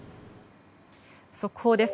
速報です。